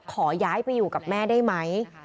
ขอย้ายไปอยู่กับแม่ได้ไหม